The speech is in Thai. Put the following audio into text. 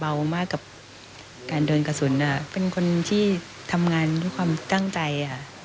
เราก็เริ่มอุ่นใจ